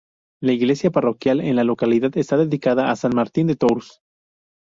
La iglesia parroquial en la localidad está dedicada a san Martín de Tours.